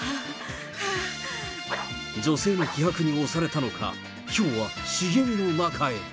女性の気迫に押されたのか、ヒョウは茂みの中へ。